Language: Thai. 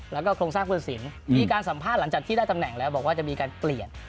แล้วก็โครงสร้างพื้นสินมีการสัมภาษณ์หลังจากที่ได้ตำแหน่งแล้วบอกว่าจะมีการเปลี่ยน